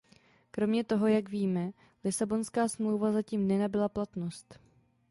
Kromě toho, jak víme, Lisabonská smlouva zatím nenabyla platnost.